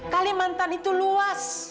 kalimantan itu luas